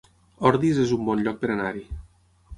Ordis es un bon lloc per anar-hi